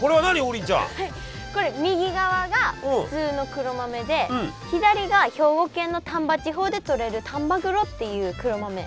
これ右側が普通の黒豆で左が兵庫県の丹波地方でとれる丹波黒っていう黒豆。